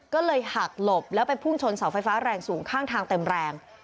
ก็เลยหักหลบแล้วไปพุ่งชนเสาไฟฟ้าแรงสูงข้างทางเต็มแรง